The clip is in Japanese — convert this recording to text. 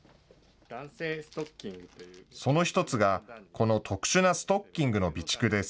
その１つが、この特殊なストッキングの備蓄です。